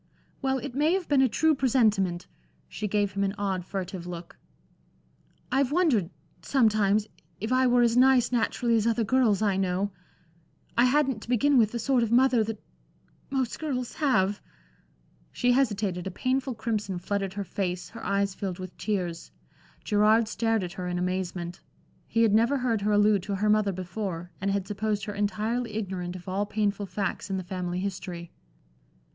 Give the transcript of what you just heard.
"Well, it may have been a true presentiment." She gave him an odd, furtive look. "I've wondered sometimes if I were as nice naturally as other girls I know. I hadn't, to begin with, the sort of mother that most girls have" She hesitated, a painful crimson flooded her face, her eyes filled with tears. Gerard stared at her in amazement. He had never heard her allude to her mother before, and had supposed her entirely ignorant of all painful facts in the family history.